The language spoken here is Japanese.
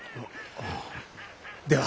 では。